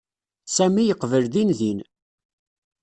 Sami yeqbel dindin.